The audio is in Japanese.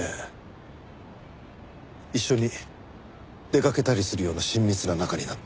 一緒に出かけたりするような親密な仲になった。